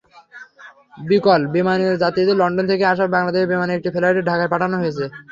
বিকল বিমানের যাত্রীদের লন্ডন থেকে আসা বাংলাদেশ বিমানের একটি ফ্লাইটে ঢাকায় পাঠানো হয়।